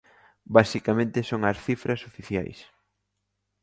Basicamente son as cifras oficiais.